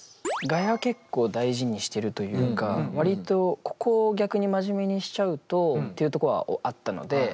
ガヤ結構大事にしてるというか割とここを逆に真面目にしちゃうとっていうとこはあったので。